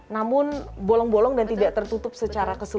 namun bolong bolong dan tidak tertutup secara keseluruhan